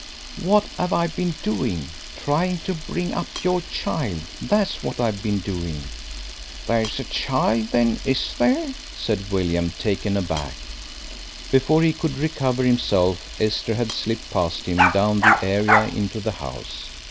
"What 'ave I been doing? Trying to bring up your child! That's what I've been doing." "There's a child, then, is there?" said William, taken aback. Before he could recover himself Esther had slipped past him down the area into the house.